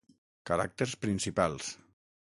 Caràcters principals.